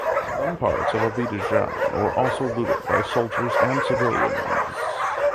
Some parts of Abidjan were also looted by soldiers and civilians.